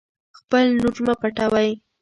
خپل نور مه پټوئ.